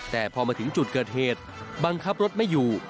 แต่พอมาถึงจุดเกิดเหตุบังคับรถไม่อยู่